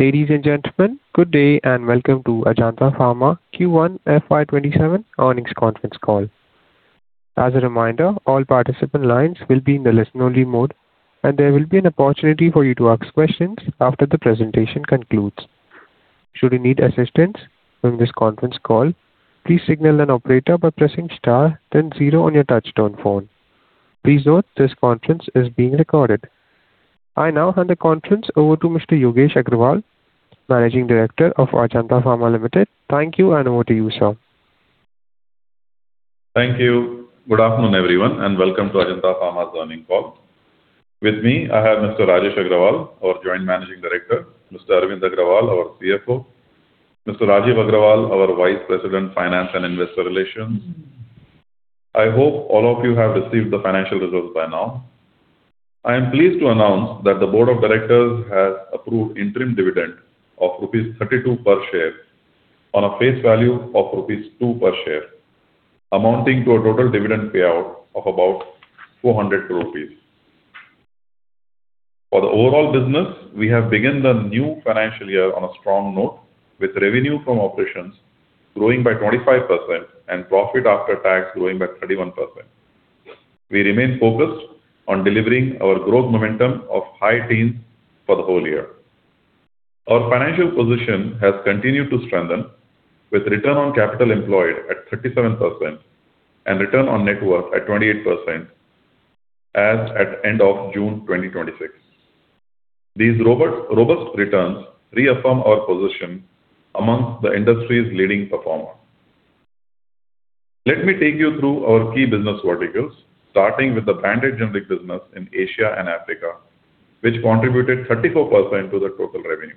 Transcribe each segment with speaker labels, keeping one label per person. Speaker 1: Ladies and gentlemen, good day and welcome to Ajanta Pharma Q1 FY 2027 earnings conference call. As a reminder, all participant lines will be in the listen-only mode, and there will be an opportunity for you to ask questions after the presentation concludes. Should you need assistance during this conference call, please signal an operator by pressing star then zero on your touch-tone phone. Please note this conference is being recorded. I now hand the conference over to Mr. Yogesh Agrawal, Managing Director of Ajanta Pharma Limited. Thank you, and over to you, sir.
Speaker 2: Thank you. Good afternoon, everyone, and welcome to Ajanta Pharma's earnings call. With me, I have Mr. Rajesh Agrawal, our Joint Managing Director, Mr. Arvind Agrawal, our CFO, Mr. Rajeev Agarwal, our Vice President, Finance and Investor Relations. I hope all of you have received the financial results by now. I am pleased to announce that the board of directors has approved interim dividend of rupees 32 per share on a face value of rupees 2 per share, amounting to a total dividend payout of about 400 crore rupees. For the overall business, we have begun the new financial year on a strong note, with revenue from operations growing by 25% and profit after tax growing by 31%. We remain focused on delivering our growth momentum of high teens for the whole year. Our financial position has continued to strengthen with return on capital employed at 37% and return on net worth at 28% as at end of June 2026. These robust returns reaffirm our position amongst the industry's leading performer. Let me take you through our key business verticals, starting with the branded generic business in Asia and Africa, which contributed 34% to the total revenue.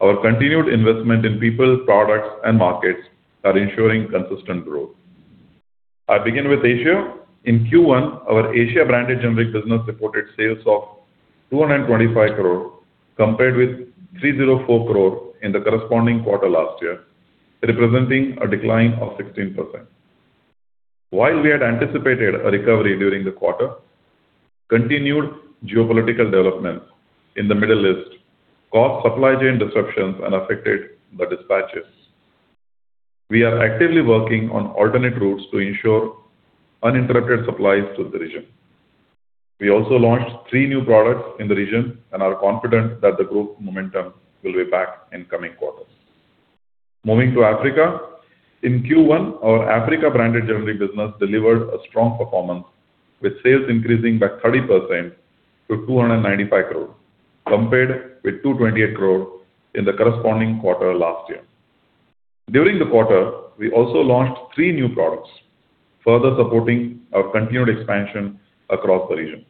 Speaker 2: Our continued investment in people, products, and markets are ensuring consistent growth. I begin with Asia. In Q1, our Asia branded generic business reported sales of 225 crore, compared with 304 crore in the corresponding quarter last year, representing a decline of 16%. While we had anticipated a recovery during the quarter, continued geopolitical developments in the Middle East caused supply chain disruptions and affected the dispatches. We are actively working on alternate routes to ensure uninterrupted supplies to the region. We also launched three new products in the region and are confident that the growth momentum will be back in coming quarters. Moving to Africa. In Q1, our Africa-branded generic business delivered a strong performance, with sales increasing by 30% to 295 crore, compared with 228 crore in the corresponding quarter last year. During the quarter, we also launched three new products, further supporting our continued expansion across the region.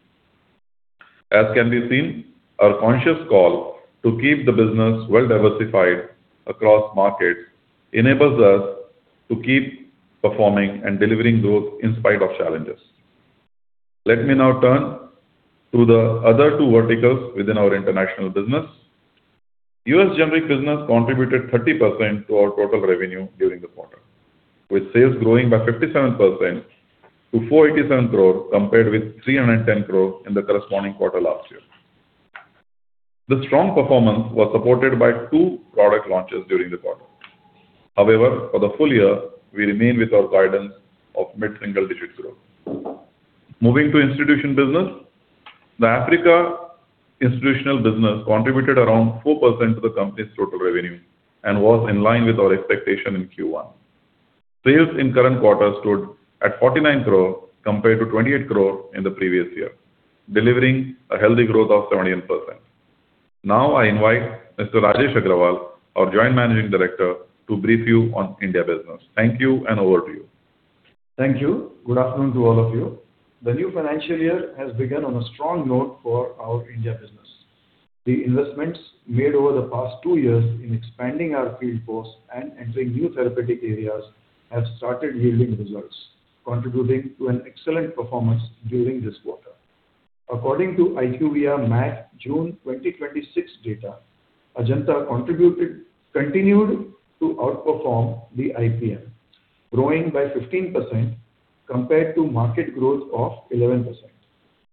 Speaker 2: As can be seen, our conscious call to keep the business well-diversified across markets enables us to keep performing and delivering growth in spite of challenges. Let me now turn to the other two verticals within our international business. U.S. generic business contributed 30% to our total revenue during the quarter, with sales growing by 57% to 487 crore, compared with 310 crore in the corresponding quarter last year. The strong performance was supported by two product launches during the quarter. For the full year, we remain with our guidance of mid-single-digit growth. Moving to institution business. The Africa institutional business contributed around 4% to the company's total revenue and was in line with our expectation in Q1. Sales in current quarter stood at 49 crore compared to 28 crore in the previous year, delivering a healthy growth of 71%. I invite Mr. Rajesh Agrawal, our Joint Managing Director, to brief you on India business. Thank you, and over to you.
Speaker 3: Thank you. Good afternoon to all of you. The new financial year has begun on a strong note for our India business. The investments made over the past two years in expanding our field force and entering new therapeutic areas have started yielding results, contributing to an excellent performance during this quarter. According to IQVIA MAT June 2026 data, Ajanta continued to outperform the IPM, growing by 15% compared to market growth of 11%.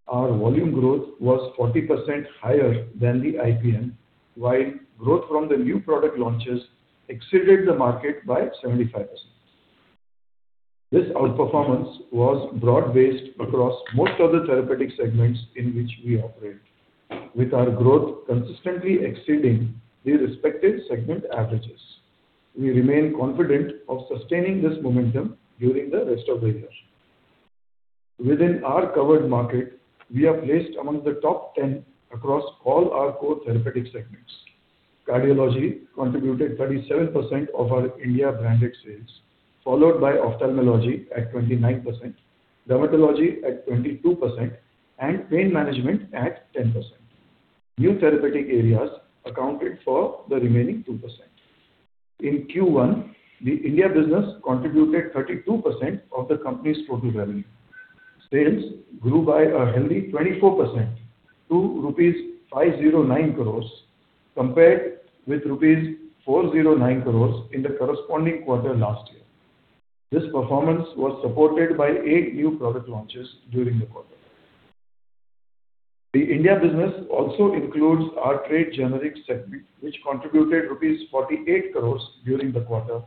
Speaker 3: Our volume growth was 40% higher than the IPM, while growth from the new product launches exceeded the market by 75%. This outperformance was broad-based across most of the therapeutic segments in which we operate, with our growth consistently exceeding the respective segment averages. We remain confident of sustaining this momentum during the rest of the year. Within our covered market, we are placed among the top 10 across all our core therapeutic segments. cardiology contributed 37% of our India branded sales, followed by ophthalmology at 29%, dermatology at 22%, and pain management at 10%. New therapeutic areas accounted for the remaining 2%. In Q1, the India business contributed 32% of the company's total revenue. Sales grew by a healthy 24% to rupees 509 crores, compared with rupees 409 crores in the corresponding quarter last year. This performance was supported by eight new product launches during the quarter. The India business also includes our trade generic segment, which contributed rupees 48 crores during the quarter,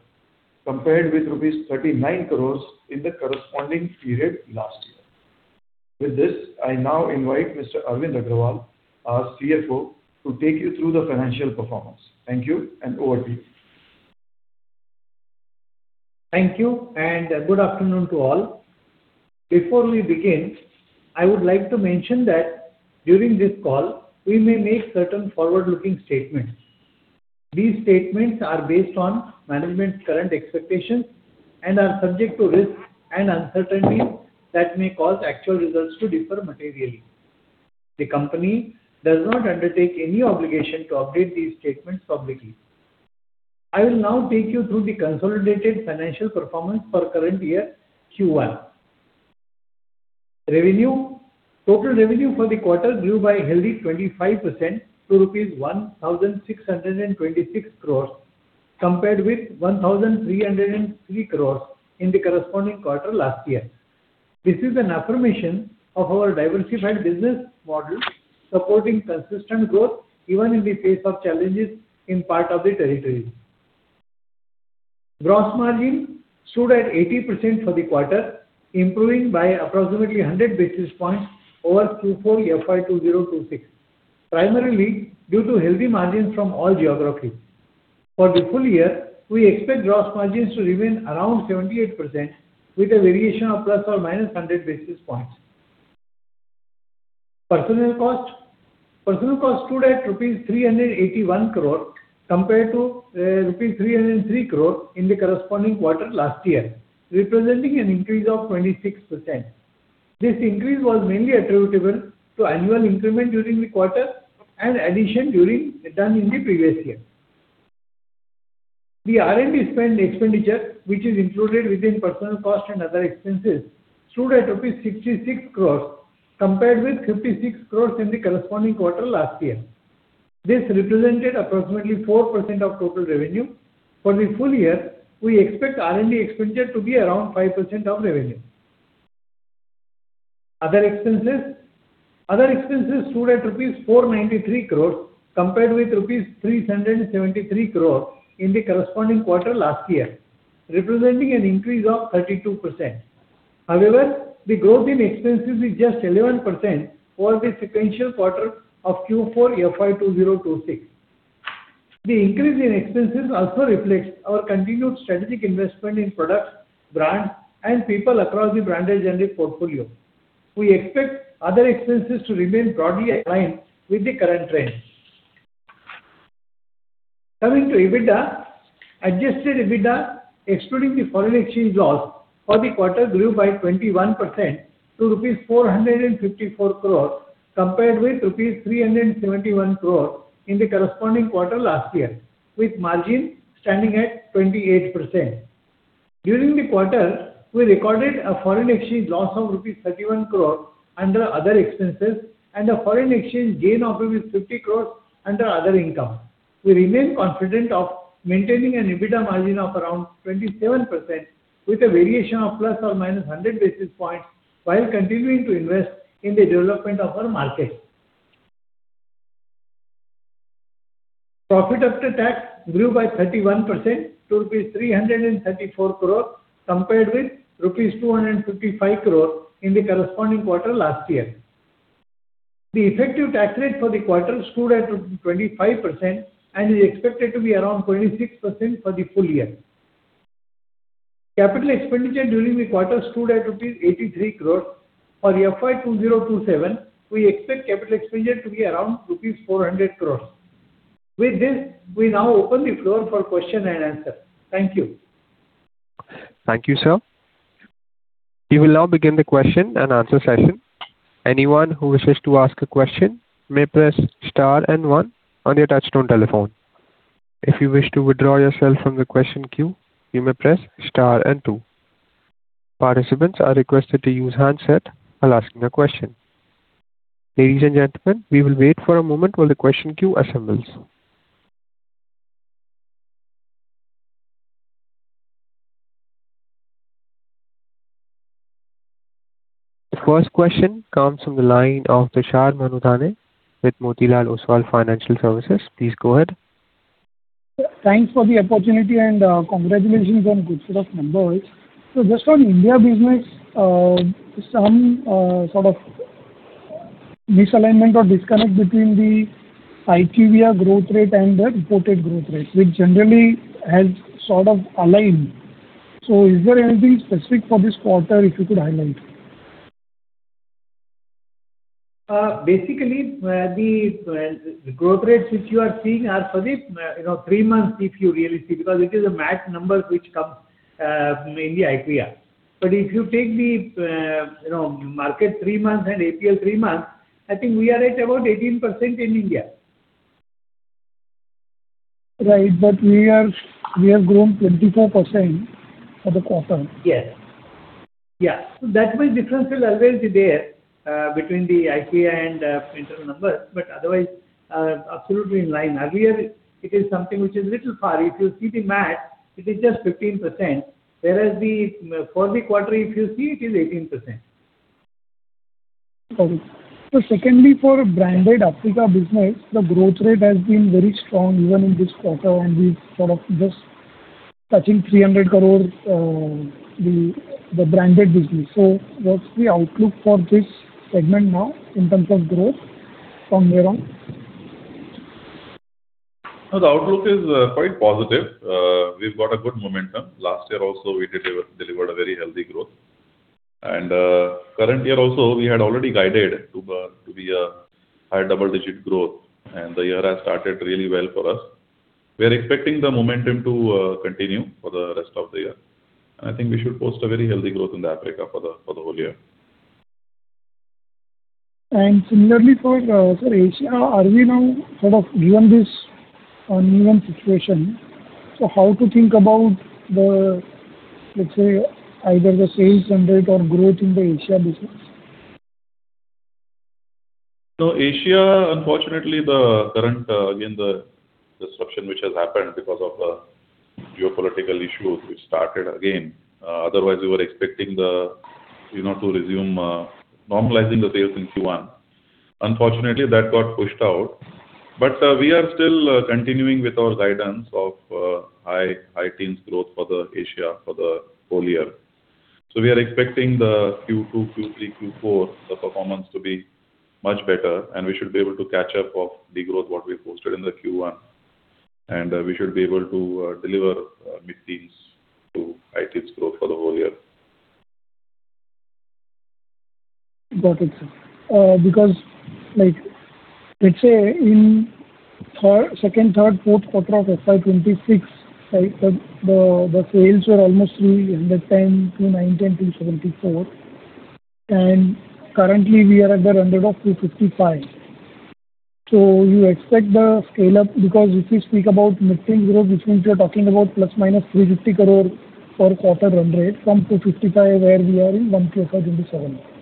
Speaker 3: compared with rupees 39 crores in the corresponding period last year. I invite Mr. Arvind Agrawal, our CFO, to take you through the financial performance. Thank you, and over to you.
Speaker 4: Thank you. Good afternoon to all. Before we begin, I would like to mention that during this call, we may make certain forward-looking statements. These statements are based on management's current expectations and are subject to risks and uncertainties that may cause actual results to differ materially. The company does not undertake any obligation to update these statements publicly. I will now take you through the consolidated financial performance for current year Q1. Revenue. Total revenue for the quarter grew by a healthy 25% to rupees 1,626 crores, compared with 1,303 crores in the corresponding quarter last year. This is an affirmation of our diversified business model supporting consistent growth even in part of the territories. Gross margin stood at 80% for the quarter, improving by approximately 100 basis points over Q4 FY 2026, primarily due to healthy margins from all geographies. For the full year, we expect gross margins to remain around 78%, with a variation of ±100 basis points. Personnel cost. Personnel cost stood at rupees 381 crores compared to rupees 303 crores in the corresponding quarter last year, representing an increase of 26%. This increase was mainly attributable to annual increment during the quarter and addition done in the previous year. The R&D spend expenditure, which is included within personnel cost and other expenses, stood at rupees 66 crores, compared with 56 crores in the corresponding quarter last year. This represented approximately 4% of total revenue. For the full year, we expect R&D expenditure to be around 5% of revenue. Other expenses. Other expenses stood at rupees 493 crores, compared with rupees 373 crores in the corresponding quarter last year, representing an increase of 32%. The growth in expenses is just 11% for the sequential quarter of Q4 FY 2026. The increase in expenses also reflects our continued strategic investment in products, brands, and people across the branded generic portfolio. We expect other expenses to remain broadly aligned with the current trend. Coming to EBITDA. Adjusted EBITDA, excluding the foreign exchange loss for the quarter, grew by 21% to rupees 454 crores, compared with rupees 371 crores in the corresponding quarter last year, with margin standing at 28%. During the quarter, we recorded a foreign exchange loss of rupees 31 crores under other expenses and a foreign exchange gain of rupees 50 crores under other income. We remain confident of maintaining an EBITDA margin of around 27%, with a variation of ±100 basis points, while continuing to invest in the development of our market. Profit after tax grew by 31% to rupees 334 crores, compared with rupees 255 crores in the corresponding quarter last year. The effective tax rate for the quarter stood at 25% and is expected to be around 26% for the full year. Capital expenditure during the quarter stood at rupees 83 crores. For FY 2027, we expect capital expenditure to be around rupees 400 crores. With this, we now open the floor for question and answer. Thank you.
Speaker 1: Thank you, sir. We will now begin the question and answer session. Anyone who wishes to ask a question may press star and one on your touchtone telephone. If you wish to withdraw yourself from the question queue, you may press star and two. Participants are requested to use handset while asking a question. Ladies and gentlemen, we will wait for a moment while the question queue assembles. The first question comes from the line of Tushar Manudhane with Motilal Oswal Financial Services. Please go ahead.
Speaker 5: Thanks for the opportunity and congratulations on good set of numbers. Just on India business, some sort of misalignment or disconnect between the IQVIA growth rate and the reported growth rate, which generally has sort of aligned. Is there anything specific for this quarter that you could highlight?
Speaker 4: Basically, the growth rates which you are seeing are for the three months, if you really see, because it is a MAT number which comes from India IQVIA. If you take the market three months and APL three months, I think we are at about 18% in India.
Speaker 5: Right. We have grown 25% for the quarter.
Speaker 4: Yes. That much difference will always be there between the IQVIA and internal numbers, but otherwise, absolutely in line. Earlier, it is something which is a little far. If you see the MAT, it is just 15%, whereas for the quarter, if you see, it is 18%.
Speaker 5: Got it. Secondly, for branded Africa business, the growth rate has been very strong even in this quarter, and we're sort of just touching 300 crore, the branded business. What's the outlook for this segment now in terms of growth from here on?
Speaker 2: The outlook is quite positive. We've got a good momentum. Last year also, we delivered a very healthy growth. Current year also, we had already guided to be a high double-digit growth, and the year has started really well for us. We are expecting the momentum to continue for the rest of the year. I think we should post a very healthy growth in Africa for the whole year.
Speaker 5: Similarly, sir, Asia, are we now sort of given this uneven situation, so how to think about the, let's say, either the sales run rate or growth in the Asia business?
Speaker 2: Asia, unfortunately, again, the disruption which has happened because of the geopolitical issues which started again. We were expecting to resume normalizing the sales in Q1. Unfortunately, that got pushed out. We are still continuing with our guidance of high teens growth for Asia for the whole year. We are expecting the Q2, Q3, Q4, the performance to be much better, and we should be able to catch up of the growth what we posted in the Q1. We should be able to deliver mid-teens to high teens growth for the whole year.
Speaker 5: Got it, sir. Let's say in 2nd, 3rd, 4th quarter of FY 2026, the sales were almost 310 crore, 290 crore and INR 274 crore. Currently we are at the run rate of 255 crore. You expect the scale-up, because if you speak about mid-teens growth, which means we are talking about ±350 crore per quarter run rate from 255 crore, where we are in 1Q FY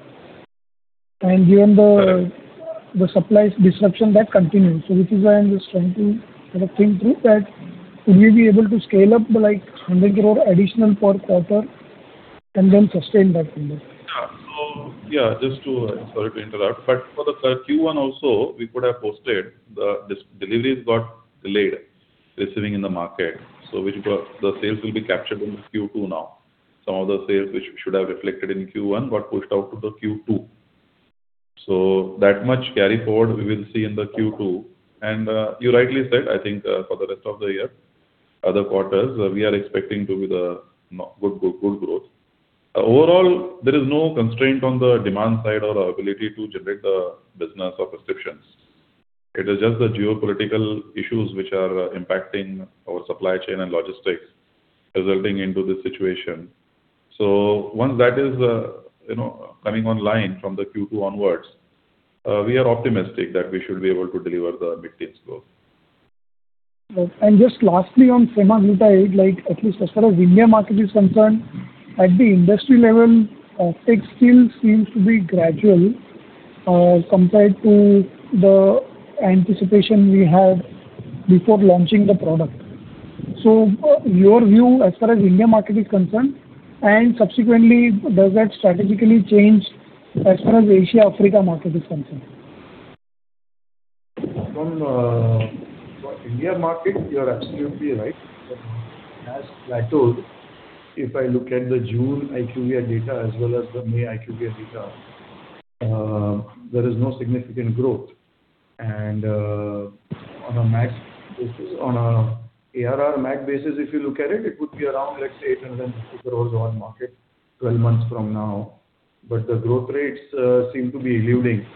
Speaker 5: 2027. Given the supplies disruption, that continues. This is why I'm just trying to sort of think through that. Will you be able to scale up the 100 crore additional per quarter and then sustain that number?
Speaker 2: Sorry to interrupt, for the Q1 also, we could have posted, the deliveries got delayed receiving in the market. The sales will be captured in the Q2 now. Some of the sales which should have reflected in Q1 got pushed out to the Q2. That much carry forward we will see in the Q2. You rightly said, I think for the rest of the year, other quarters, we are expecting to be the good growth. Overall, there is no constraint on the demand side or our ability to generate the business or prescriptions. It is just the geopolitical issues which are impacting our supply chain and logistics resulting into this situation. Once that is coming online from the Q2 onwards, we are optimistic that we should be able to deliver the mid-teens growth.
Speaker 5: Just lastly on semaglutide, at least as far as India market is concerned, at the industry level, uptake still seems to be gradual compared to the anticipation we had before launching the product. Your view as far as India market is concerned, and subsequently, does that strategically change as far as Asia, Africa market is concerned?
Speaker 3: From India market, you're absolutely right. It has plateaued. If I look at the June IQVIA data as well as the May IQVIA data there is no significant growth. On ARR MAT basis, if you look at it would be around, let's say, 850 crore on market 12 months from now. The growth rates seem to be eluding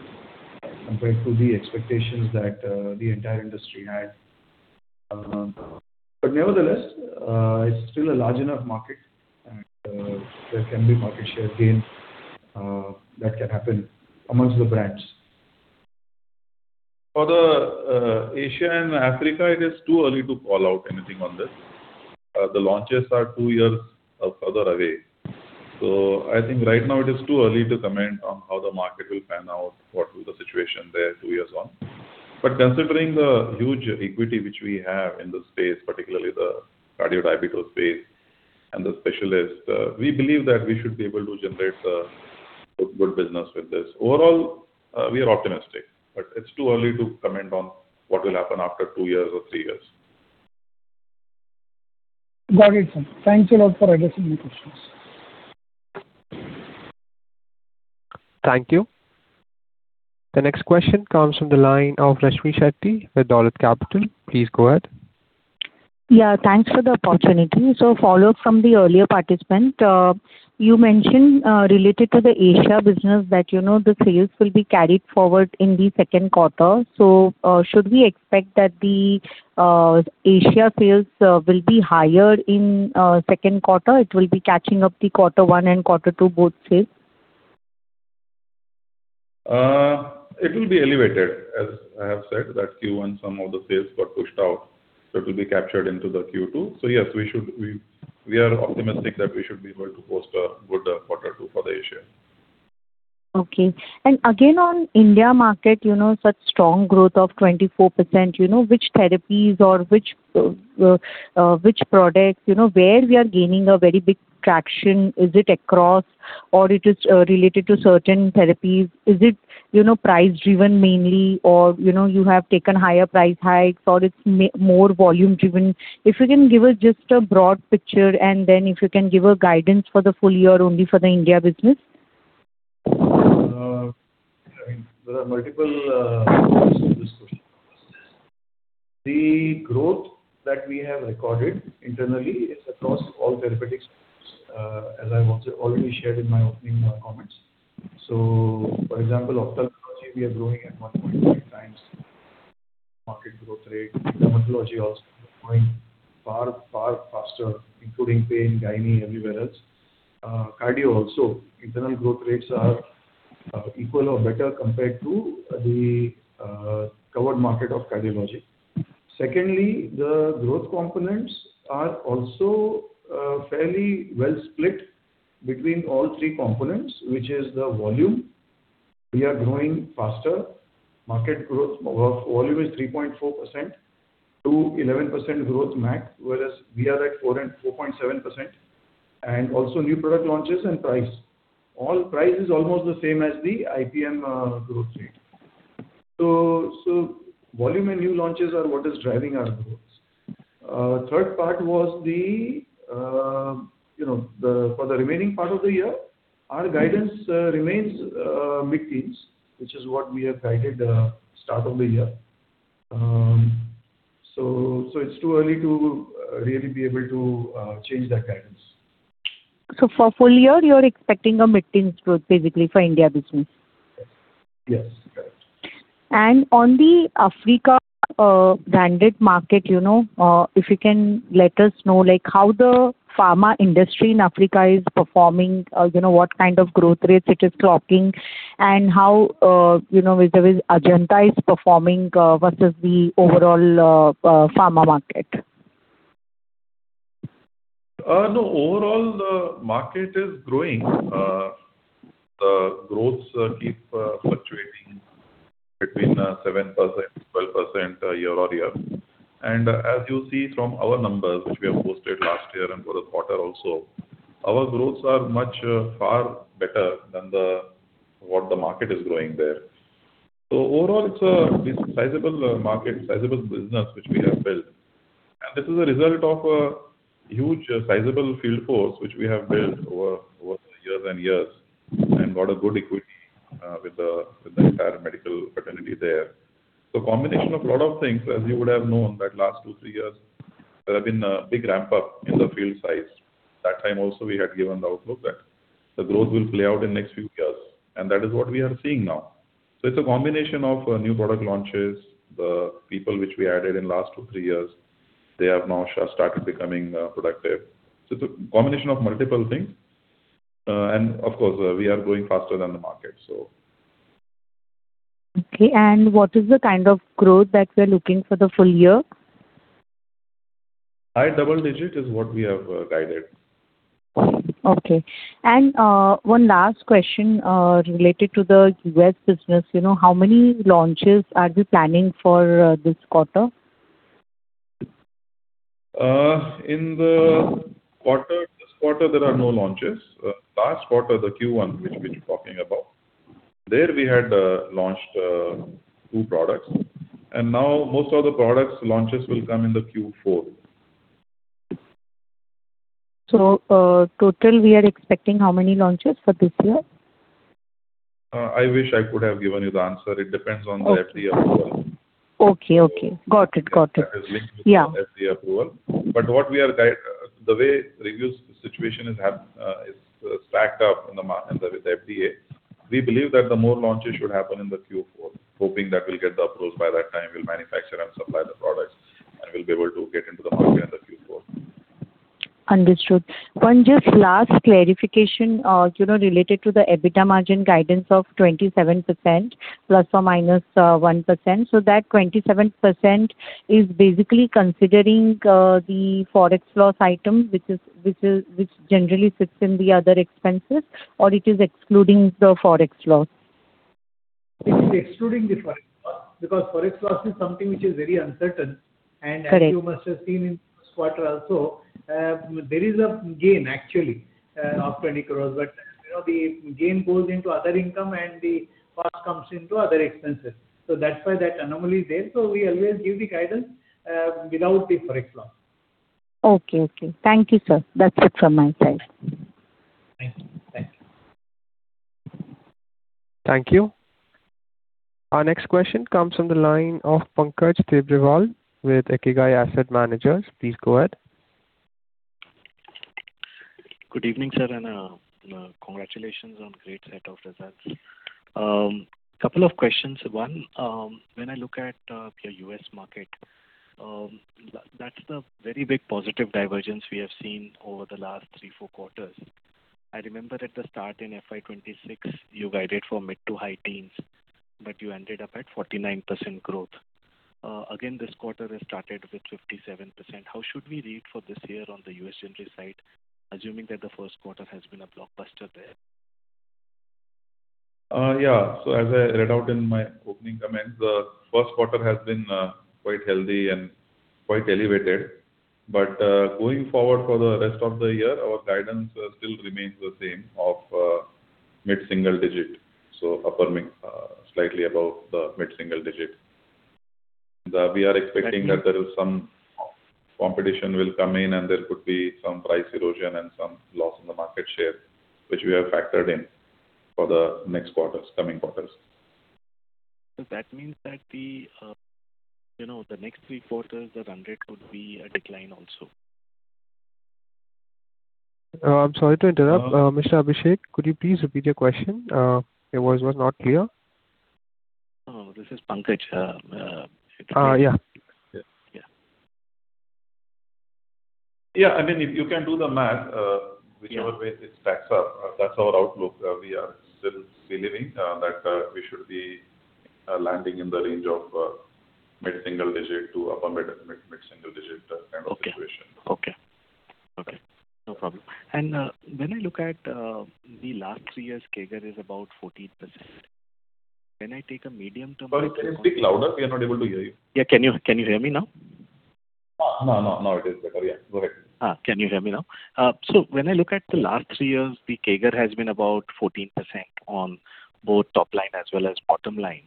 Speaker 3: compared to the expectations that the entire industry had. Nevertheless, it's still a large enough market, and there can be market share gain that can happen amongst the brands.
Speaker 2: For the Asia and Africa, it is too early to call out anything on this. The launches are two years further away. I think right now it is too early to comment on how the market will pan out, what will the situation there two years on. Considering the huge equity which we have in this space, particularly the cardio-diabetics space and the specialists, we believe that we should be able to generate a good business with this. Overall, we are optimistic, but it's too early to comment on what will happen after two years or three years.
Speaker 5: Got it, sir. Thanks a lot for addressing my questions.
Speaker 1: Thank you. The next question comes from the line of Rashmi Shetty with Dolat Capital. Please go ahead.
Speaker 6: Yeah, thanks for the opportunity. Follow-up from the earlier participant. You mentioned related to the Asia business that the sales will be carried forward in the second quarter. Should we expect that the Asia sales will be higher in second quarter? It will be catching up the quarter one and quarter two, both sales?
Speaker 2: It will be elevated. As I have said that Q1, some of the sales got pushed out, it will be captured into the Q2. Yes, we are optimistic that we should be able to post a good quarter two for the Asia.
Speaker 6: Okay. Again, on India market, such strong growth of 24%, which therapies or which products, where we are gaining a very big traction? Is it across? It is related to certain therapies. Is it price-driven mainly, or you have taken higher price hikes, or it's more volume-driven? If you can give us just a broad picture, and then if you can give a guidance for the full year only for the India business.
Speaker 3: There are multiple answers to this question, I must say. The growth that we have recorded internally is across all therapeutics, as I've also already shared in my opening comments. For example, ophthalmology, we are growing at 1.3x market growth rate. Dermatology also growing far, far faster, including pain, gynae, everywhere else. Cardio also, internal growth rates are equal or better compared to the covered market of cardiology. Secondly, the growth components are also fairly well-split between all three components, which is the volume. We are growing faster. Volume is 3.4%-11% growth MAT, whereas we are at 4.7%. Also new product launches and price. Price is almost the same as the IPM growth rate. Volume and new launches are what is driving our growths. For the remaining part of the year, our guidance remains mid-teens, which is what we have guided the start of the year. It's too early to really be able to change that guidance.
Speaker 6: For full year, you're expecting a mid-teens growth basically for India business.
Speaker 3: Yes. Correct.
Speaker 6: On the Africa branded market, if you can let us know, how the pharma industry in Africa is performing, what kind of growth rates it is clocking, and how Ajanta is performing versus the overall pharma market.
Speaker 2: No, overall the market is growing. The growths keep fluctuating between 7%-12% year-over-year. As you see from our numbers, which we have posted last year and for the quarter also, our growths are much far better than what the market is growing there. Overall, it's a sizable market, sizable business which we have built. This is a result of a huge sizable field force, which we have built over years and years and got a good equity with the entire medical fraternity there. Combination of a lot of things, as you would have known that last two, three years, there has been a big ramp-up in the field size. That time also, we had given the outlook that the growth will play out in next few years, and that is what we are seeing now. It's a combination of new product launches. The people which we added in last two, three years, they have now started becoming productive. It's a combination of multiple things. Of course, we are growing faster than the market.
Speaker 6: Okay. What is the kind of growth that we're looking for the full year?
Speaker 2: High double digit is what we have guided.
Speaker 6: Okay. One last question related to the U.S. business. How many launches are you planning for this quarter?
Speaker 2: In this quarter, there are no launches. Last quarter, the Q1, which you are talking about, there we had launched two products, and now most of the products launches will come in the Q4.
Speaker 6: Total, we are expecting how many launches for this year?
Speaker 2: I wish I could have given you the answer. It depends on the FDA approval.
Speaker 6: Okay. Got it.
Speaker 2: The way review situation is stacked up with FDA, we believe that the more launches should happen in the Q4, hoping that we'll get the approvals by that time, we'll manufacture and supply the products, and we'll be able to get into the market in the Q4.
Speaker 6: Understood. One just last clarification related to the EBITDA margin guidance of 27%, ±1%. That 27% is basically considering the Forex loss item, which generally sits in the other expenses, or it is excluding the Forex loss?
Speaker 4: It is excluding the Forex loss, because Forex loss is something which is very uncertain.
Speaker 6: Correct.
Speaker 4: As you must have seen in first quarter also, there is a gain actually of 20 crores, the gain goes into other income and the loss comes into other expenses. That's why that anomaly is there. We always give the guidance without the Forex loss.
Speaker 6: Okay. Thank you, sir. That's it from my side.
Speaker 4: Thank you.
Speaker 1: Thank you. Our next question comes from the line of Pankaj Tibrewal with IKIGAI Asset Manager. Please go ahead.
Speaker 7: Good evening, sir, and congratulations on great set of results. Couple of questions. One, when I look at your U.S. market, that's the very big positive divergence we have seen over the last three, four quarters. I remember at the start in FY 2026, you guided for mid to high teens, but you ended up at 49% growth. Again, this quarter has started with 57%. How should we read for this year on the U.S. generally side, assuming that the first quarter has been a blockbuster there?
Speaker 2: Yeah. As I read out in my opening comments, the first quarter has been quite healthy and quite elevated. Going forward for the rest of the year, our guidance still remains the same of mid-single digit, so upper mid, slightly above the mid-single digit. We are expecting that some competition will come in and there could be some price erosion and some loss in the market share, which we have factored in for the next coming quarters.
Speaker 7: Does that mean that the next three quarters, the run rate could be a decline also?
Speaker 1: I'm sorry to interrupt. Mr. Abhishek, could you please repeat your question? Your voice was not clear.
Speaker 7: This is Pankaj.
Speaker 1: Yeah.
Speaker 7: Yeah.
Speaker 2: Yeah. I mean, you can do the math whichever way it stacks up. That's our outlook. We are still believing that we should be landing in the range of mid-single digit to upper mid-single digit kind of situation.
Speaker 7: Okay. No problem. When I look at the last three years, CAGR is about 14%. When I take a medium-term
Speaker 2: Sorry, can you speak louder? We are not able to hear you.
Speaker 7: Yeah. Can you hear me now?
Speaker 2: Now it is better. Yeah, go ahead.
Speaker 7: Can you hear me now? When I look at the last three years, the CAGR has been about 14% on both top line as well as bottom line.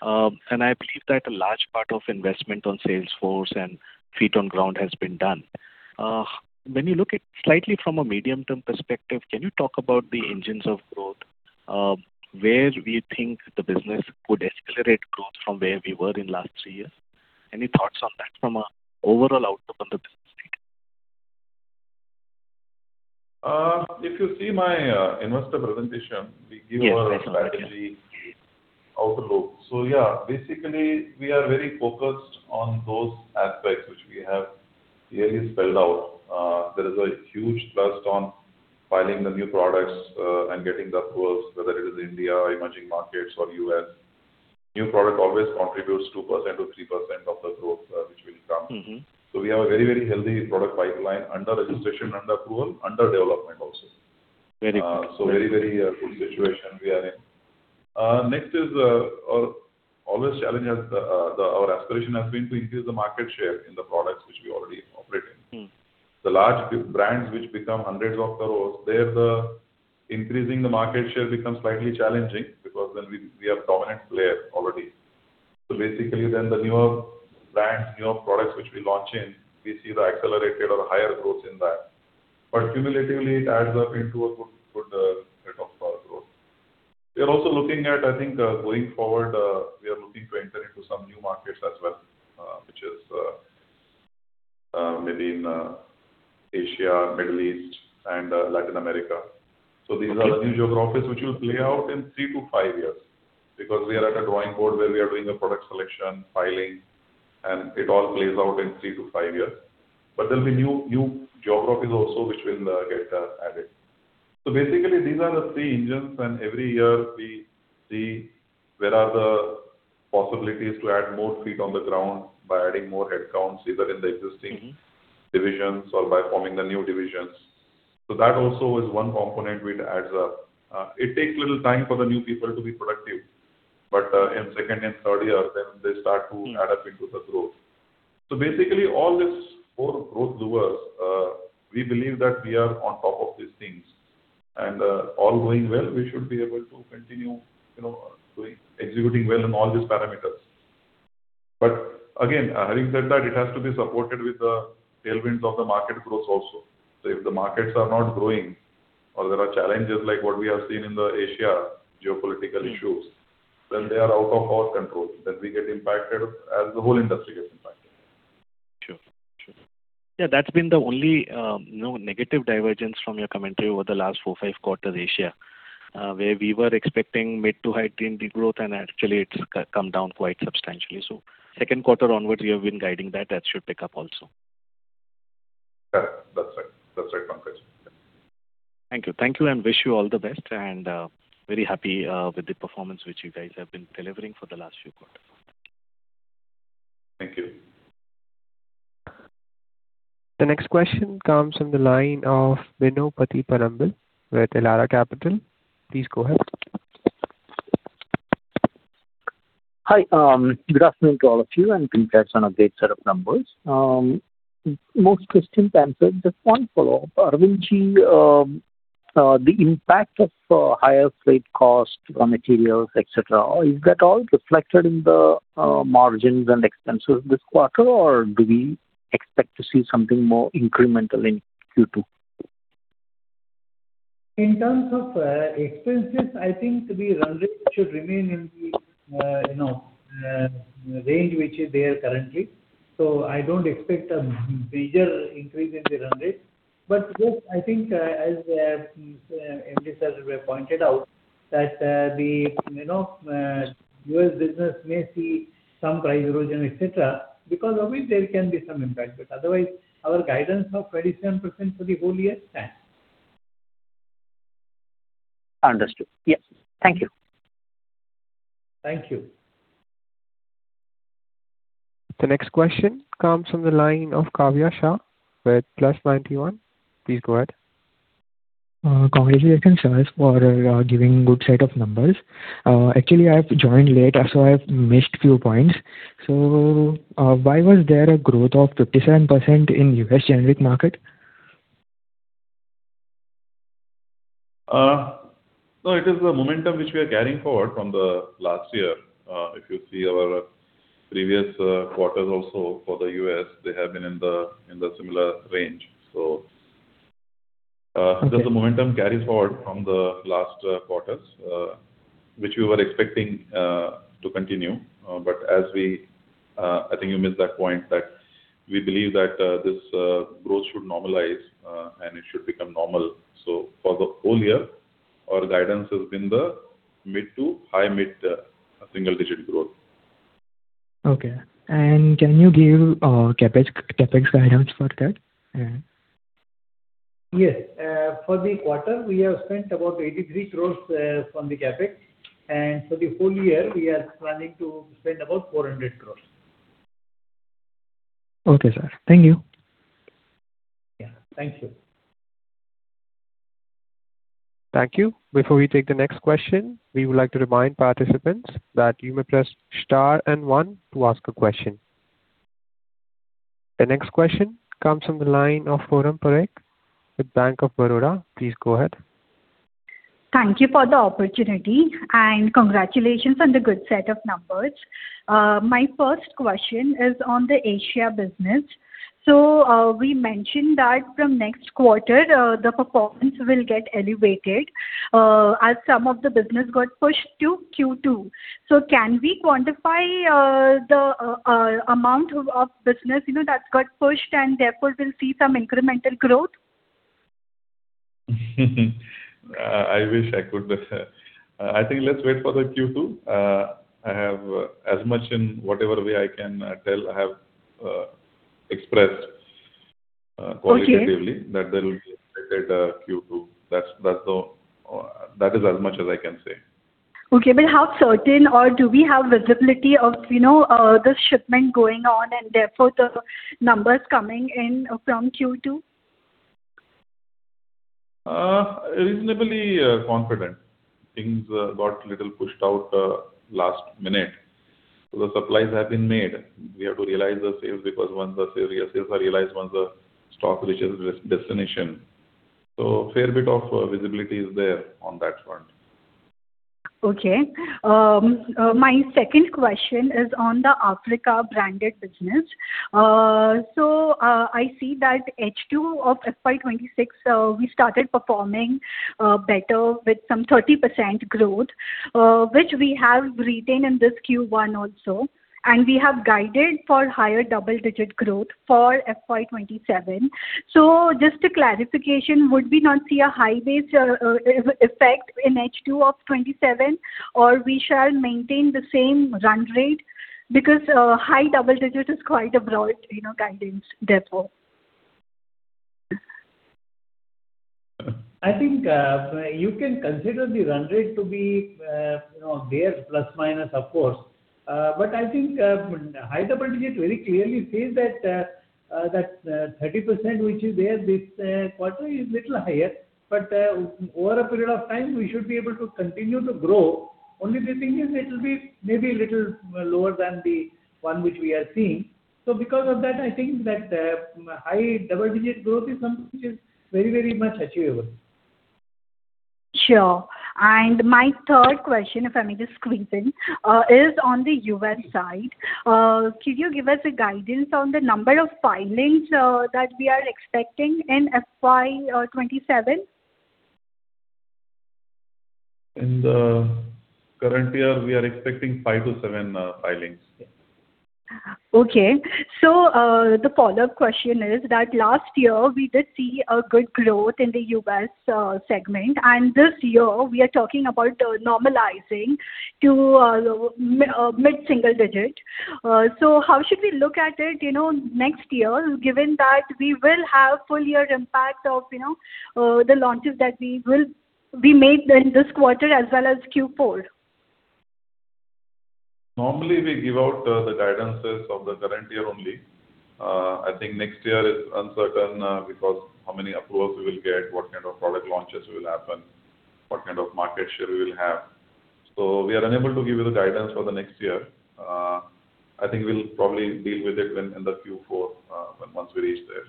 Speaker 7: I believe that a large part of investment on sales force and feet on ground has been done. When you look at slightly from a medium-term perspective, can you talk about the engines of growth, where we think the business could accelerate growth from where we were in last three years? Any thoughts on that from an overall outlook on the business?
Speaker 2: If you see my investor presentation, we give our strategy outlook. Yeah, basically we are very focused on those aspects which we have clearly spelled out. There is a huge thrust on filing the new products and getting the approvals, whether it is India, emerging markets or U.S. New product always contributes 2%-3% of the growth which will come. We have a very healthy product pipeline under registration, under approval, under development also.
Speaker 7: Very good.
Speaker 2: Very good situation we are in. Next is, our aspiration has been to increase the market share in the products which we already operate in. The large brands which become hundreds of crores, there the increasing the market share becomes slightly challenging because we are dominant player already. Basically then the newer brands, newer products which we launch in, we see the accelerated or higher growth in that. Cumulatively it adds up into a good rate of growth. We are also looking at, I think going forward, we are looking to enter into some new markets as well which is maybe in Asia, Middle East and Latin America. These are the new geographies which will play out in three to five years because we are at a drawing board where we are doing a product selection, filing and it all plays out in three to five years. There'll be new geographies also which will get added. Basically these are the three engines and every year we see where are the possibilities to add more feet on the ground by adding more headcounts either in the existing divisions or by forming the new divisions. That also is one component which adds up. It takes little time for the new people to be productive. In second and third year then they start to add up into the growth. Basically all these four growth levers, we believe that we are on top of these things and all going well, we should be able to continue executing well in all these parameters. Again, having said that, it has to be supported with the tailwinds of the market growth also. If the markets are not growing or there are challenges like what we have seen in the Asia geopolitical issues, then they are out of our control, then we get impacted as the whole industry gets impacted.
Speaker 7: Sure. Yeah, that's been the only negative divergence from your commentary over the last four, five quarters Asia, where we were expecting mid to high teen growth and actually it's come down quite substantially. Second quarter onward you have been guiding that should pick up also.
Speaker 2: Yeah, that's right. That's right, Pankaj.
Speaker 7: Thank you. Thank you. Wish you all the best and very happy with the performance which you guys have been delivering for the last few quarters.
Speaker 2: Thank you.
Speaker 1: The next question comes from the line of Bino Pathiparambil with Elara Capital. Please go ahead.
Speaker 8: Hi. Good afternoon to all of you. Congrats on a great set of numbers. Most questions answered. Just one follow-up. Arvind Agrawal, the impact of higher freight cost on materials, et cetera, is that all reflected in the margins and expenses this quarter or do we expect to see something more incremental in Q2?
Speaker 4: In terms of expenses, I think the run rate should remain in the range which is there currently. I don't expect a major increase in the run rate. Yes, I think as MD sir pointed out that the U.S. business may see some price erosion, et cetera, because of which there can be some impact. Otherwise our guidance of 27% for the whole year stands.
Speaker 8: Understood. Yes. Thank you.
Speaker 4: Thank you.
Speaker 1: The next question comes from the line of Kavya Shah with Plus91. Please go ahead.
Speaker 9: Congratulations for giving good set of numbers. Actually, I've joined late, I've missed few points. Why was there a growth of 57% in U.S. generic market?
Speaker 2: No, it is the momentum which we are carrying forward from the last year. If you see our previous quarters also for the U.S., they have been in the similar range. Just the momentum carries forward from the last quarters, which we were expecting to continue. I think you missed that point, that we believe that this growth should normalize and it should become normal. For the whole year, our guidance has been the mid to high mid-single digit growth.
Speaker 9: Okay. Can you give CapEx guidance for that?
Speaker 4: Yes. For the quarter, we have spent about 83 crores from the CapEx, and for the full year, we are planning to spend about 400 crores.
Speaker 9: Okay, sir. Thank you.
Speaker 4: Yeah. Thank you.
Speaker 1: Thank you. Before we take the next question, we would like to remind participants that you may press star and one to ask a question. The next question comes from the line of Foram Parekh with Bank of Baroda. Please go ahead.
Speaker 10: Thank you for the opportunity and congratulations on the good set of numbers. My first question is on the Asia business. We mentioned that from next quarter, the performance will get elevated as some of the business got pushed to Q2. Can we quantify the amount of business that got pushed and therefore will see some incremental growth?
Speaker 2: I wish I could. I think let's wait for the Q2. As much in whatever way I can tell, I have expressed qualitatively.
Speaker 10: Okay
Speaker 2: There will be expected Q2. That is as much as I can say.
Speaker 10: Okay. How certain, or do we have visibility of the shipment going on and therefore the numbers coming in from Q2?
Speaker 2: Reasonably confident. Things got little pushed out last minute. The supplies have been made. We have to realize the sales because once the sales are realized, once the stock reaches destination. Fair bit of visibility is there on that front.
Speaker 10: Okay. My second question is on the Africa branded business. I see that H2 of FY 2026, we started performing better with some 30% growth, which we have retained in this Q1 also, and we have guided for higher double-digit growth for FY 2027. Just a clarification, would we not see a high base effect in H2 of 2027, or we shall maintain the same run rate because high double digit is quite a broad guidance therefore.
Speaker 4: I think you can consider the run rate to be there, plus minus, of course. I think high double-digit very clearly says that 30%, which is there this quarter, is little higher. Over a period of time, we should be able to continue to grow. Only the thing is, it'll be maybe a little lower than the one which we are seeing. Because of that, I think that high double-digit growth is something which is very much achievable.
Speaker 10: Sure. My third question, if I may just squeeze in, is on the U.S. side. Could you give us a guidance on the number of filings that we are expecting in FY 2027?
Speaker 2: In the current year, we are expecting five to seven filings.
Speaker 10: Okay. The follow-up question is that last year we did see a good growth in the U.S. segment, this year we are talking about normalizing to mid-single digit. How should we look at it next year, given that we will have full-year impact of the launches that we made in this quarter as well as Q4?
Speaker 2: Normally, we give out the guidances of the current year only. I think next year is uncertain because how many approvals we will get, what kind of product launches will happen, what kind of market share we will have. We are unable to give you the guidance for the next year. I think we'll probably deal with it in the Q4 once we reach there.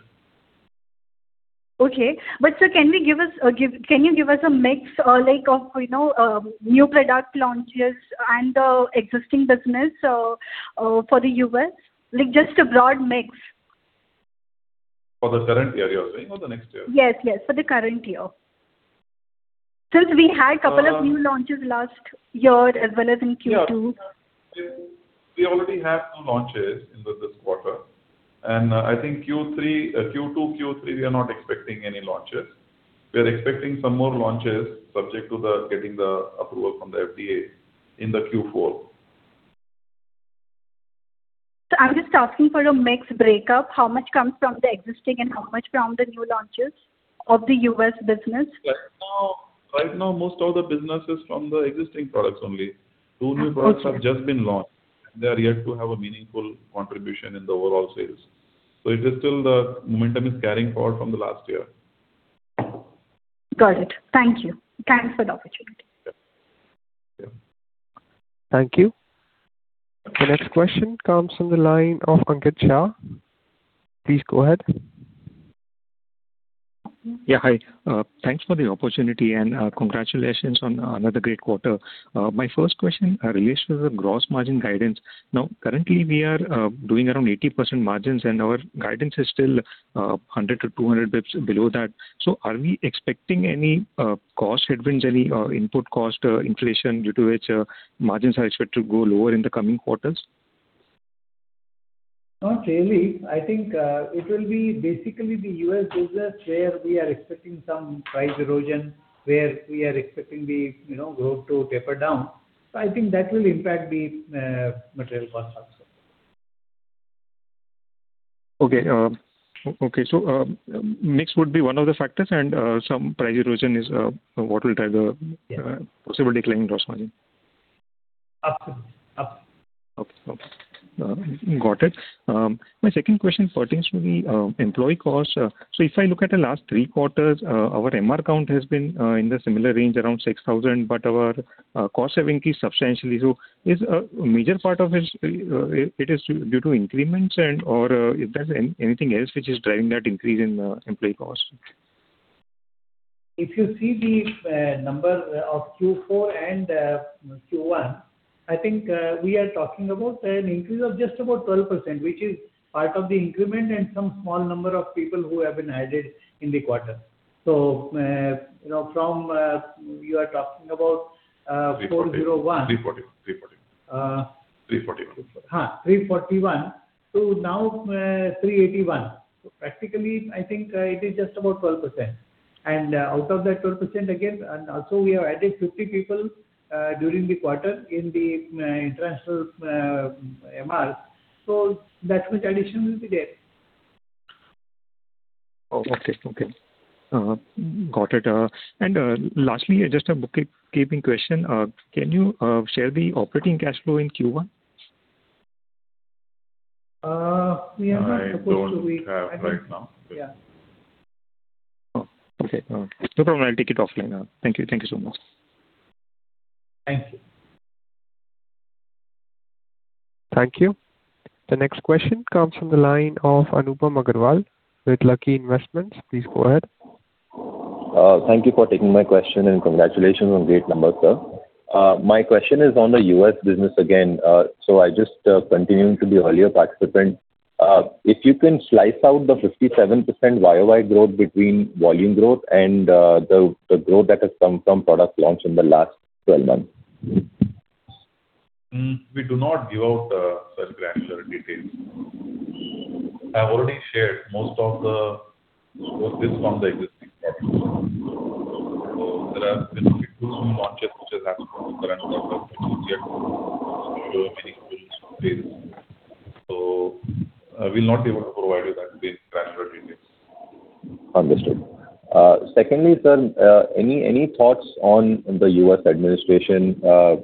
Speaker 10: Okay. Sir, can you give us a mix of new product launches and the existing business for the U.S.? Just a broad mix.
Speaker 2: For the current year, you're saying, or the next year?
Speaker 10: Yes. For the current year. Since we had couple of new launches last year as well as in Q2.
Speaker 2: We already have two launches in this quarter. I think Q2, Q3, we are not expecting any launches. We are expecting some more launches subject to getting the approval from the FDA in the Q4.
Speaker 10: I'm just asking for a mix breakup, how much comes from the existing and how much from the new launches of the U.S. business.
Speaker 2: Right now, most of the business is from the existing products only.
Speaker 10: Okay.
Speaker 2: Two new products have just been launched, and they're yet to have a meaningful contribution in the overall sales. It is still the momentum is carrying forward from the last year.
Speaker 10: Got it. Thank you. Thanks for the opportunity.
Speaker 2: Yeah.
Speaker 1: Thank you. The next question comes from the line of Pankaj Shah. Please go ahead.
Speaker 11: Yeah, hi. Thanks for the opportunity. Congratulations on another great quarter. My first question relates to the gross margin guidance. Now, currently we are doing around 80% margins, and our guidance is still 100-200 pips below that. Are we expecting any cost headwinds, any input cost inflation due to which margins are expected to go lower in the coming quarters?
Speaker 4: Not really. I think it will be basically the U.S. business where we are expecting some price erosion, where we are expecting the growth to taper down. I think that will impact the material cost also.
Speaker 11: Okay. Mix would be one of the factors and some price erosion is what will drive.
Speaker 4: Yeah
Speaker 11: possible decline in gross margin.
Speaker 4: Absolutely.
Speaker 11: Okay. Got it. My second question pertains to the employee cost. If I look at the last three quarters, our MR count has been in the similar range, around 6,000, our cost have increased substantially. Is a major part of it is due to increments and/or is there anything else which is driving that increase in employee cost?
Speaker 4: If you see the number of Q4 and Q1, I think we are talking about an increase of just about 12%, which is part of the increment and some small number of people who have been added in the quarter. From You are talking about 401.
Speaker 2: 341.
Speaker 4: Yes, 341. Now 381. Practically, I think it is just about 12%. Out of that 12% again, also we have added 50 people during the quarter in the international MR. That much addition will be there.
Speaker 11: Oh, okay. Got it. Lastly, just a bookkeeping question. Can you share the operating cash flow in Q1?
Speaker 4: We are not supposed to.
Speaker 2: I don't have right now.
Speaker 4: Yeah.
Speaker 11: Oh, okay. No problem. I'll take it offline. Thank you so much.
Speaker 4: Thank you.
Speaker 1: Thank you. The next question comes from the line of Anupam Agarwal with Lucky Investments. Please go ahead.
Speaker 12: Thank you for taking my question and congratulations on great numbers, sir. My question is on the U.S. business again. I just continuing to the earlier participant. If you can slice out the 57% year-over-year growth between volume growth and the growth that has come from product launch in the last 12 months.
Speaker 2: We do not give out such granular details. I've already shared most of the growth is from the existing products. There are significant new launches which has happened, but I know that many inclusions from there. I will not be able to provide you that with granular details.
Speaker 12: Understood. Secondly, sir, any thoughts on the U.S. administration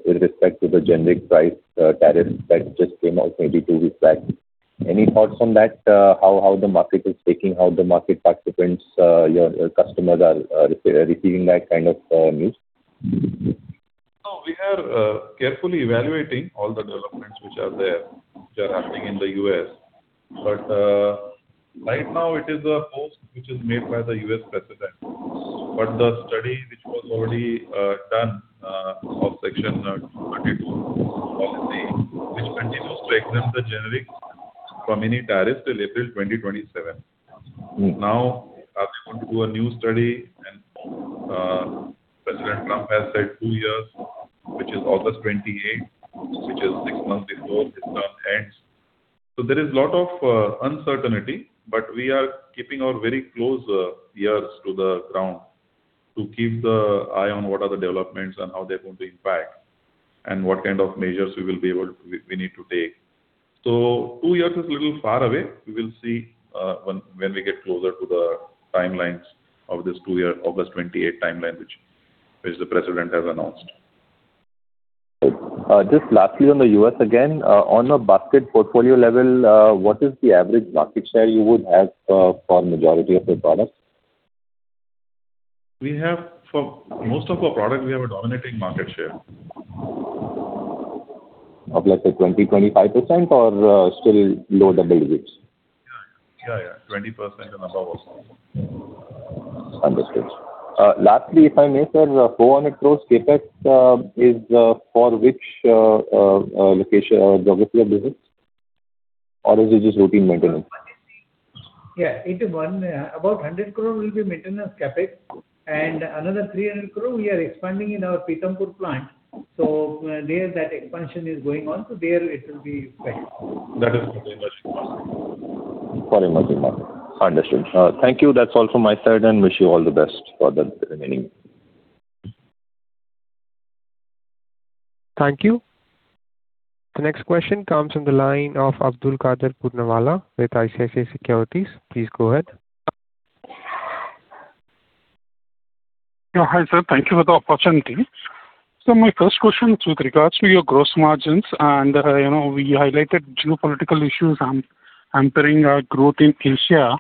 Speaker 12: with respect to the generic price tariff that just came out maybe two weeks back? Any thoughts on that, how the market is taking, how the market participants, your customers are receiving that kind of news?
Speaker 2: No, we are carefully evaluating all the developments which are there, which are happening in the U.S. Right now it is a post which is made by the U.S. President. The study which was already done of Section 232 policy, which continues to exempt the generics from any tariffs till April 2027. They want to do a new study, and President Trump has said two years, which is August 28, which is six months before his term ends. There is a lot of uncertainty, but we are keeping our very close ears to the ground to keep the eye on what are the developments and how they're going to impact and what kind of measures we need to take. Two years is a little far away. We will see when we get closer to the timelines of this two-year, August 28 timeline, which the president has announced.
Speaker 12: Just lastly, on the U.S. again, on a basket portfolio level, what is the average market share you would have for majority of your products?
Speaker 2: For most of our product, we have a dominating market share.
Speaker 12: Of let's say 20%, 25% or still low double digits?
Speaker 2: Yeah. 20% and above also.
Speaker 12: Understood. Lastly, if I may, sir, 400 crore CapEx is for which location or geography of business? Is it just routine maintenance?
Speaker 4: Yeah, it is one. About 100 crore will be maintenance CapEx and another 300 crore we are expanding in our Pithampur plant. There that expansion is going on, there it will be spent.
Speaker 2: That is for the emerging markets.
Speaker 12: For emerging markets. Understood. Thank you. That's all from my side, and wish you all the best for the remaining.
Speaker 1: Thank you. The next question comes from the line of Abdulkader Puranwala with ICICI Securities. Please go ahead.
Speaker 13: Hi, sir. Thank you for the opportunity. My first question is with regards to your gross margins, and we highlighted geopolitical issues hampering our growth in Asia.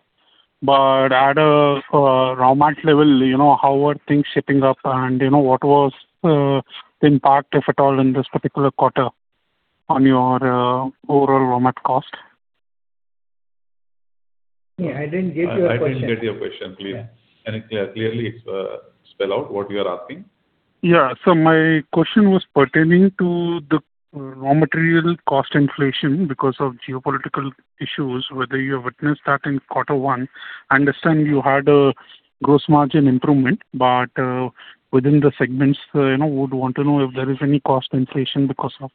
Speaker 13: At a raw material level, how are things shaping up, and what was the impact, if at all, in this particular quarter on your overall raw material cost?
Speaker 4: I didn't get your question.
Speaker 2: I didn't get your question. Please, can you clearly spell out what you are asking.
Speaker 13: Yeah. My question was pertaining to the raw material cost inflation because of geopolitical issues, whether you have witnessed that in quarter one. I understand you had a gross margin improvement. Within the segments, would want to know if there is any cost inflation because of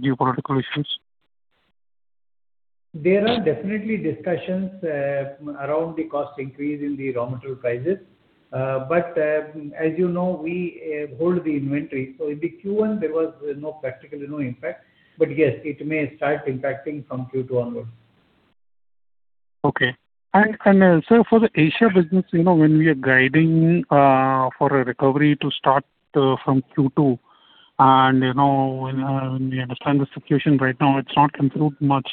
Speaker 13: geopolitical issues.
Speaker 4: There are definitely discussions around the cost increase in the raw material prices. As you know, we hold the inventory. In the Q1, there was practically no impact. Yes, it may start impacting from Q2 onwards.
Speaker 13: Okay. Sir, for the Asia business, when we are guiding for a recovery to start from Q2, and we understand the situation right now, it's not improved much.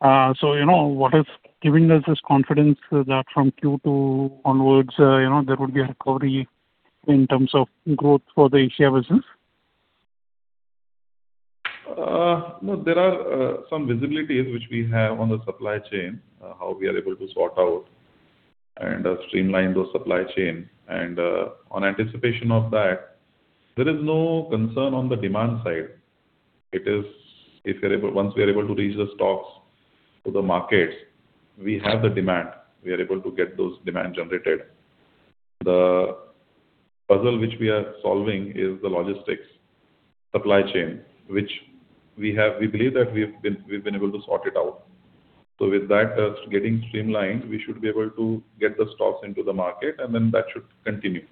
Speaker 13: What is giving us this confidence that from Q2 onwards there would be a recovery in terms of growth for the Asia business?
Speaker 2: There are some visibilities which we have on the supply chain, how we are able to sort out and streamline those supply chains. On anticipation of that, there is no concern on the demand side. Once we are able to reach the stocks to the markets, we have the demand. We are able to get those demand generated. The puzzle which we are solving is the logistics supply chain, which we believe that we've been able to sort it out. With that getting streamlined, we should be able to get the stocks into the market, and then that should continue.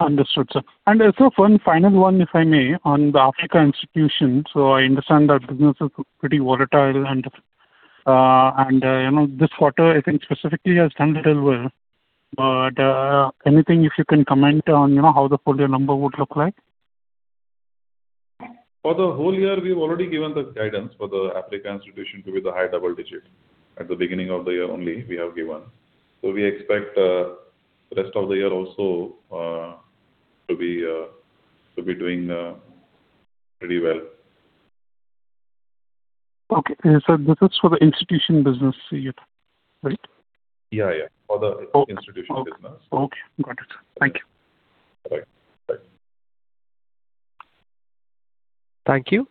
Speaker 13: Understood, sir. Sir, one final one, if I may, on the Africa institution. I understand that business is pretty volatile and this quarter, I think specifically has done very well. Anything if you can comment on how the full year number would look like?
Speaker 2: For the whole year, we've already given the guidance for the Africa institution to be the high double digit. At the beginning of the year only, we have given. We expect the rest of the year also to be doing pretty well.
Speaker 13: Okay. Sir, this is for the institution business unit, right?
Speaker 2: Yeah. For the institution business.
Speaker 13: Okay. Got it, sir. Thank you.
Speaker 2: All right. Bye.
Speaker 1: Thank you.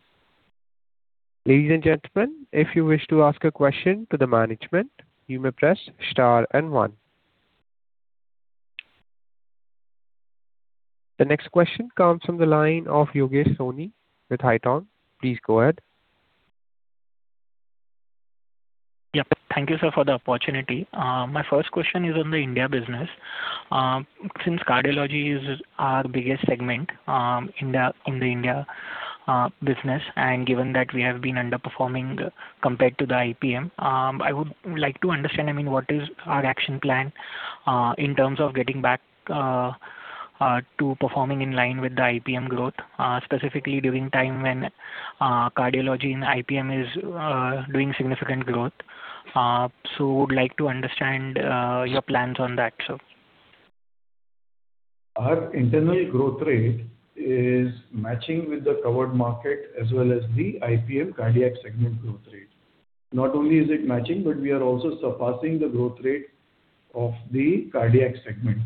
Speaker 1: Ladies and gentlemen, if you wish to ask a question to the management, you may press star and one. The next question comes from the line of Yogesh Soni with Haitong. Please go ahead.
Speaker 14: Yep. Thank you, sir, for the opportunity. My first question is on the India business. Since cardiology is our biggest segment in the India business, and given that we have been underperforming compared to the IPM, I would like to understand what is our action plan in terms of getting back to performing in line with the IPM growth, specifically during time when cardiology and IPM is doing significant growth. Would like to understand your plans on that, sir.
Speaker 3: Our internal growth rate is matching with the covered market as well as the IPM cardiac segment growth rate. Not only is it matching, but we are also surpassing the growth rate of the cardiac segment.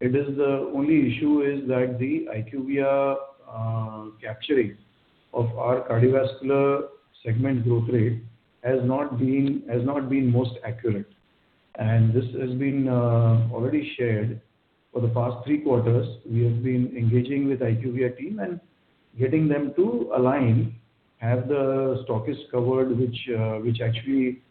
Speaker 3: The only issue is that the IQVIA capturing of our cardiovascular segment growth rate has not been most accurate, and this has been already shared. For the past three quarters, we have been engaging with IQVIA team and getting them to align as the stockists covered, which actually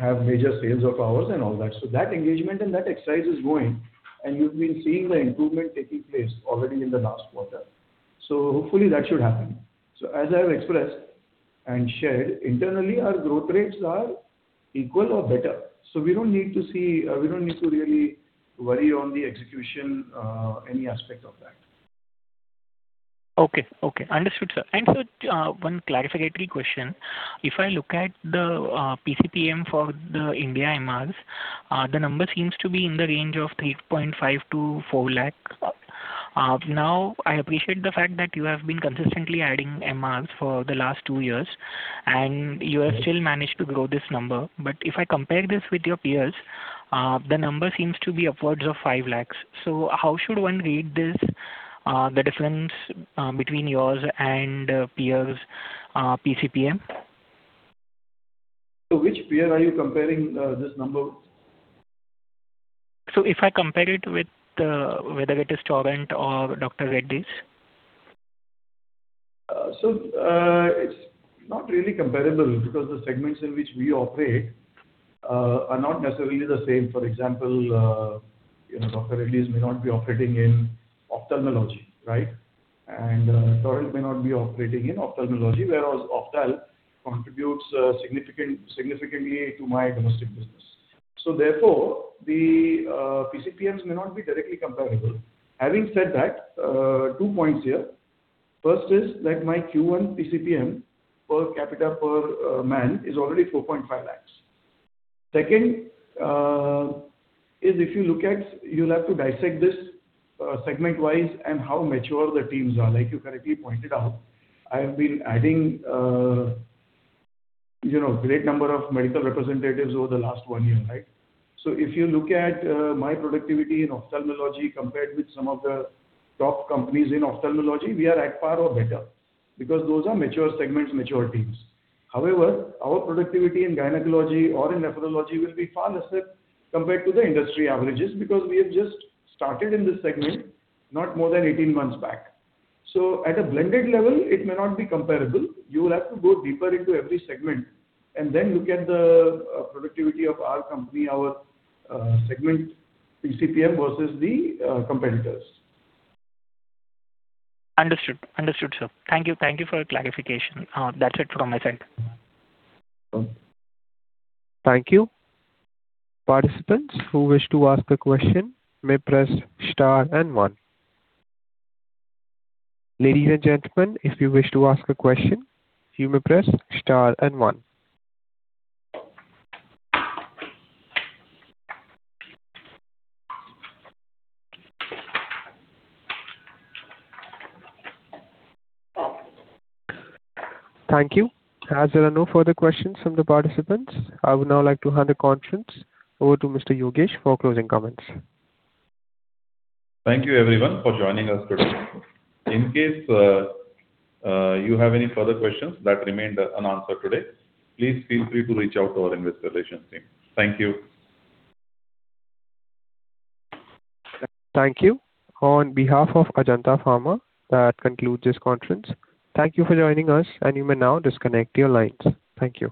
Speaker 3: have major sales of ours and all that. That engagement and that exercise is going, and you've been seeing the improvement taking place already in the last quarter. Hopefully that should happen. As I have expressed and shared, internally, our growth rates are equal or better. We don't need to really worry on the execution, any aspect of that.
Speaker 14: Okay. Understood, sir. Sir, one clarificatory question. If I look at the PCPM for the India MRs, the number seems to be in the range of 3.5 lakh-4 lakh. Now, I appreciate the fact that you have been consistently adding MRs for the last two years, and you have still managed to grow this number. If I compare this with your peers, the number seems to be upwards of 5 lakhs. How should one read this, the difference between yours and peers' PCPM?
Speaker 3: To which peer are you comparing this number?
Speaker 14: If I compare it with, whether it is Torrent or Dr. Reddy's.
Speaker 3: It's not really comparable because the segments in which we operate are not necessarily the same. For example, Dr. Reddy's may not be operating in ophthalmology. Torrent may not be operating in ophthalmology, whereas Ophthal contributes significantly to my domestic business. Therefore, the PCPMs may not be directly comparable. Having said that, two points here. First is that my Q1 PCPM per capita per man is already INR 4.5 lakhs. You'll have to dissect this segment-wise and how mature the teams are. Like you correctly pointed out, I have been adding a great number of medical representatives over the last one year. If you look at my productivity in ophthalmology compared with some of the top companies in ophthalmology, we are at par or better because those are mature segments, mature teams. However, our productivity in gynecology or in nephrology will be far lesser compared to the industry averages because we have just started in this segment not more than 18 months back. At a blended level, it may not be comparable. You will have to go deeper into every segment and then look at the productivity of our company, our segment PCPM versus the competitors.
Speaker 14: Understood, sir. Thank you for your clarification. That's it from my side.
Speaker 1: Thank you. Participants who wish to ask a question may press star and one. Ladies and gentlemen, if you wish to ask a question, you may press star and one. Thank you. As there are no further questions from the participants, I would now like to hand the conference over to Mr. Yogesh for closing comments.
Speaker 2: Thank you everyone for joining us today. In case you have any further questions that remained unanswered today, please feel free to reach out to our investor relations team. Thank you.
Speaker 1: Thank you. On behalf of Ajanta Pharma, that concludes this conference. Thank you for joining us and you may now disconnect your lines. Thank you.